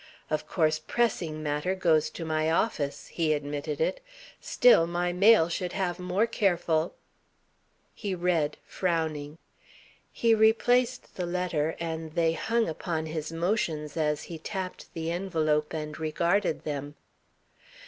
"Of course, pressing matter goes to my office," he admitted it. "Still, my mail should have more careful " He read, frowning. He replaced the letter, and they hung upon his motions as he tapped the envelope and regarded them.